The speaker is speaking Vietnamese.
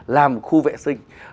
làm khu vệ sinh